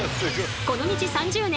この道３０年